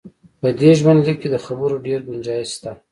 په دې ژوندلیک د خبرو ډېر ګنجایش شته.